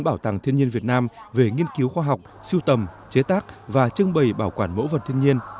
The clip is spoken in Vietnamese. bảo tàng thiên nhiên việt nam về nghiên cứu khoa học siêu tầm chế tác và trưng bày bảo quản mẫu vật thiên nhiên